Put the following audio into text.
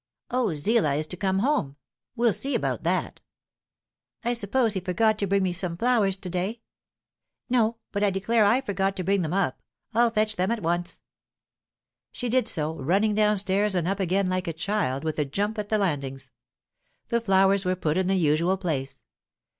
"Oh, Zillah is to come home. We'll see about that." "I suppose he forgot to bring me some flowers today?" "No But I declare I forgot to bring them up. I'll fetch them at once." She did so, running downstairs and up again like a child, with a jump at the landings. The flowers were put in the usual place.